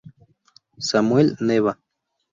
Samuel Neva